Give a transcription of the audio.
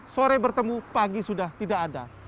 sore bertemu pagi sudah tidak ada